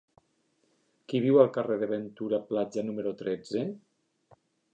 Qui viu al carrer de Ventura Plaja número tretze?